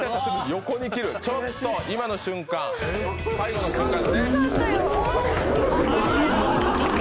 ちょっと今の瞬間、最後の瞬間。